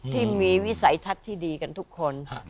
ที่มีวิสัยทัศน์ที่ดีกันทุกคน